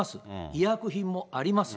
医薬品もあります。